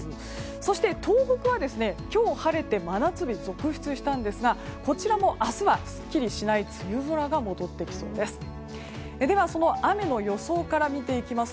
そして、東北は今日晴れて真夏日続出したんですがこちらも明日はすっきりしない梅雨空が戻ってきそうです。